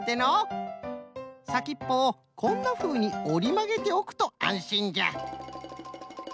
さきっぽをこんなふうにおりまげておくとあんしんじゃ。